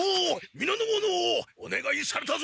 みなの者おねがいされたぞ！